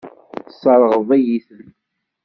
Tesseṛɣeḍ-iyi-ten.